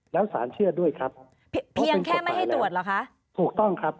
แล้วสารเชื่อด้วยครับเพียงแค่ไม่ให้ตรวจเหรอคะถูกต้องครับ